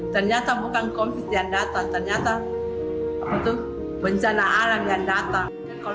dan ternyata bukan covid sembilan belas yang datang ternyata bencana alam yang datang